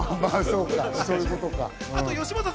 そういうことか。